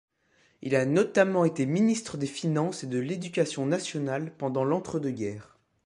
Il a notamment été ministre des finances et de l'Éducation nationale pendant l'entre-deux-guerres.